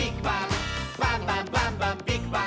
「バンバンバンバンビッグバン！」